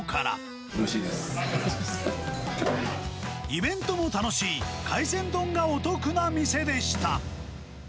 イベントも楽しい、海鮮丼がお得な店でした。